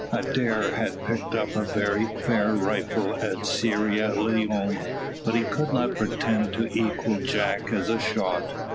Adair had picked up a very fair rifle at Sierra Leone, but he could not pretend to equal Jack as a shot.